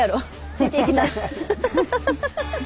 ついていきます！